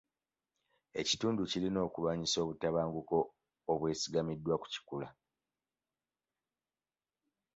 Ekitundu kirina okulwanyisa obutabanguko obwesigamiziddwa ku kikula.